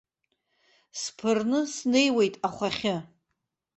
Сԥырны снеиуеит ахәахьы.